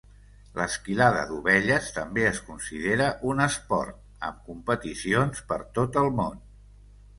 L'esquilada d'ovelles també es considera un esport, amb competicions per tot el món.